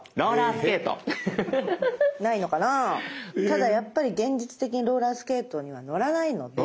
ただやっぱり現実的にローラースケートには乗らないので。